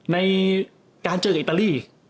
ในการเจอกับอิตาลี